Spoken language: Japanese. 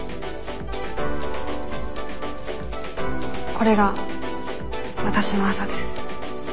これがわたしの朝です。